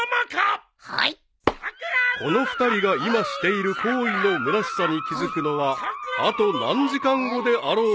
［この２人が今している行為のむなしさに気付くのはあと何時間後であろうか］